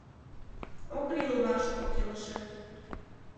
Ок лий улмаш кок илышет.